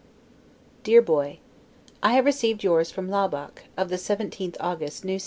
DEAR BOY: I have received yours from Laubach, of the 17th of August, N. S.